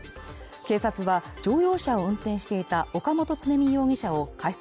警察は乗用車を運転していた岡元常美容疑者を過失